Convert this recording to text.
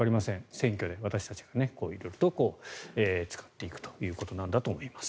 選挙で私たちが色々と使っていくということなんだと思います。